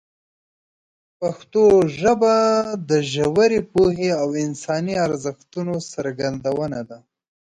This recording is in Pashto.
پښتو ژبه د ژورې پوهې او انساني ارزښتونو څرګندونه ده.